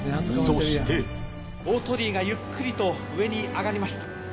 大鳥居がゆっくりと上に上がりました。